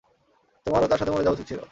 তোমারও তার সাথে মরে যাওয়া উচিৎ ছিল!